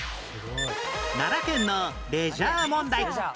奈良県のレジャー問題